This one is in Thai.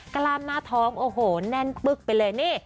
กราบหน้าท้องโอโหแน่นปุ๊กไปเลย